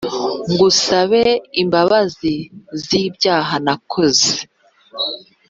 Ngusabe imbabazi zibyaha nakoze